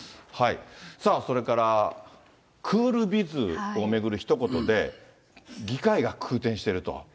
さあ、それから、クールビズを巡るひと言で、議会が空転していると。